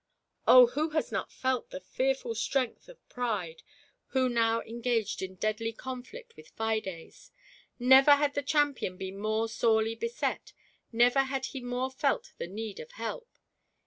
Oh, who has not felt the fearful strength of Pride, who now engaged in deadly conflict with Fides 1 Never had the champion been more sorely beset, never had he more felt the need of help